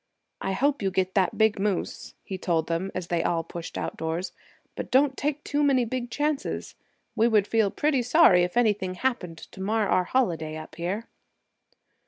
"I hope you get that big moose," he told them, as they all pushed outdoors, "but don't take too big chances. We would feel pretty sorry if anything happened to mar our holiday up here."